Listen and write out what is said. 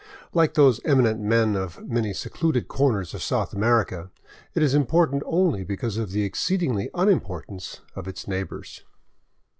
Like those eminent men of many secluded corners of South America, it is important only because of the exceeding unimportance of its neighbors.